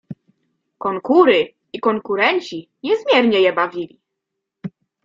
"Konkury i konkurenci niezmiernie je bawili."